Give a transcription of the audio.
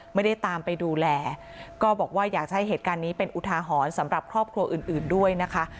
ไม่ได้ตามไปดูแลก็บอกว่าอยากจะให้เหตุการณ์นี้เป็นอุทาหรณ์สำหรับครอบครัวอื่นด้วยนะคะ